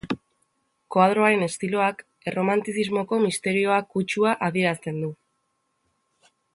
Koadroaren estiloak erromantizismoko misterioa kutsua adierazten du.